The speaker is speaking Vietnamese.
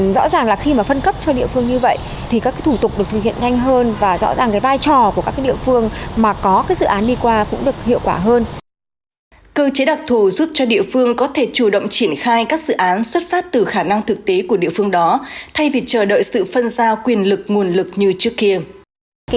cơ chế đặc thù giúp cho địa phương có thể chủ động triển khai các dự án xuất phát từ khả năng thực tế của địa phương đó thay vì chờ đợi sự phân giao quyền lực nguồn lực như trước kia